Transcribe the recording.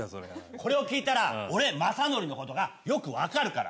これを聴いたら俺雅紀のことがよくわかるから。